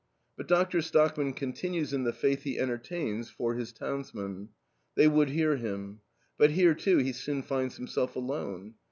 But Doctor Stockman continues in the faith he entertains for has townsmen. They would hear him. But here, too, he soon finds himself alone.